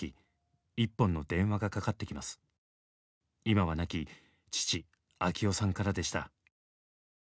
今は亡き父昭雄さんからでした。